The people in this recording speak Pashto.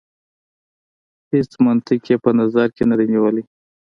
هیڅ منطق یې په نظر کې نه دی نیولی.